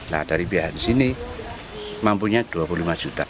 nah dari bh di sini mampunya dua puluh lima juta